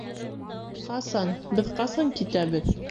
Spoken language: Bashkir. Ҡасан? Беҙ ҡасан китәбеҙ?